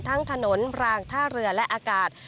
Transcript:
ทั้งถนนพรางท่าเรือและอากาศ